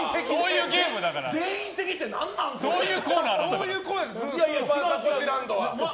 そういうコーナーだから。